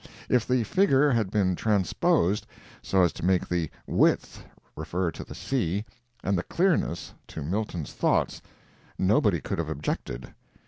If the figure had been transposed, so as to make the "width" refer to the sea, and the clearness to Milton's thoughts, nobody could have objected.